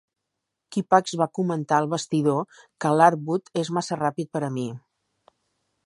Kippax va comentar al vestidor que Larwood "és massa ràpid per a mi".